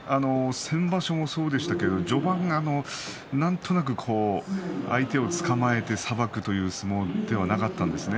先場所もそうでしたが序盤がなんとなくね相手をつかまえてさばくという相撲ではなかったんですね。